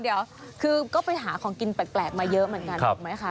เดี๋ยวคือก็ไปหาของกินแปลกมาเยอะเหมือนกันถูกไหมคะ